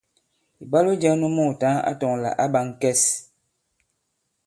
Ìbwalo jɛ̄ŋ nu muùtaŋ a tɔ̄ŋ lā ǎ ɓā ŋ̀kɛs.